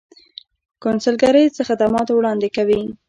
کونسلګرۍ څه خدمات وړاندې کوي؟